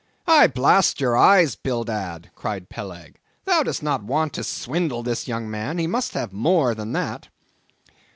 "Why, blast your eyes, Bildad," cried Peleg, "thou dost not want to swindle this young man! he must have more than that."